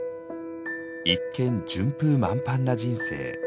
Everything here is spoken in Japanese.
一見順風満帆な人生。